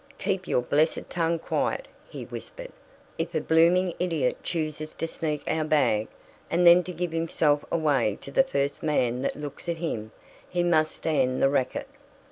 "Keep your blessed tongue quiet," he whispered, "If a bloomin' idiot chooses to sneak our bag, and then to give himself away to the first man that looks at him, he must stand the racket."